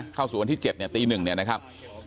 เข้าสู่วันที่๗เนี่ยตี๑เนี่ยนะครับ